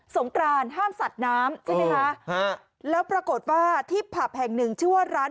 งกรานห้ามสัดน้ำใช่ไหมคะแล้วปรากฏว่าที่ผับแห่งหนึ่งชื่อว่าร้าน